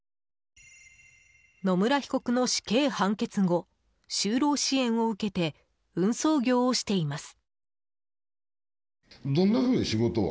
野村被告の死刑判決後就労支援を受けて運送業をしています。